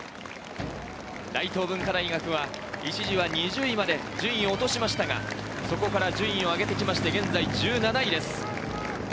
大東文化大学は一時は２０位まで順位を落としましたが、そこから順位を上げて１７位です。